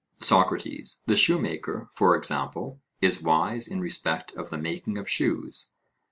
SOCRATES: The shoemaker, for example, is wise in respect of the making of shoes?